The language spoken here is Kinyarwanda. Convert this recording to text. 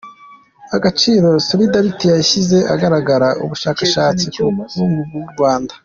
Agaciro Solidariti yashyize ahagaragara ubushakashatsi ku bukungu bw’u Rwanda